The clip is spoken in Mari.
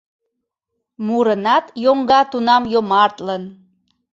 Мурынат йоҥга тунам йомартлын.